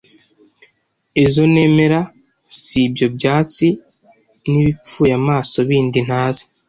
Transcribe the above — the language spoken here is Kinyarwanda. izo nemera si ibyo byatsi n'ibipyuye amaso bindi ntazi,